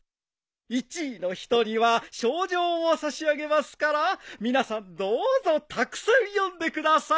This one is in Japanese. １位の人には賞状を差し上げますから皆さんどうぞたくさん読んでください。